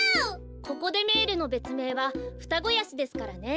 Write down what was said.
ココ・デ・メールのべつめいはフタゴヤシですからね。